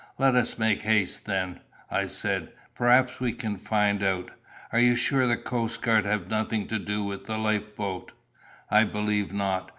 "Let us make haste, then," I said; "perhaps we can find out. Are you sure the coastguard have nothing to do with the life boat?" "I believe not.